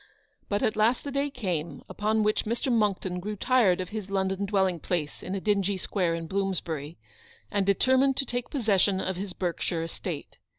But at last the day came upon which Mr. Monckton grew tired of his London dwelling place in a dingy square in Bloomsbury, and de termined to take possession of his Berkshire estate.